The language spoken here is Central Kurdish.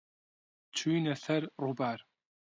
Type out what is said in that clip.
چووینە سەر ڕووبار.